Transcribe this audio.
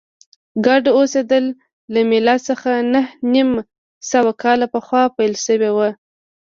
ګډ اوسېدل له میلاد څخه نهه نیم سوه کاله پخوا پیل شوي و